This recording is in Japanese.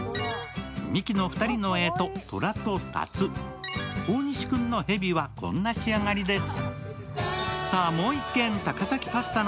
ミキの２人のえと、虎と竜、大西くんのへびはこんな仕上がりです。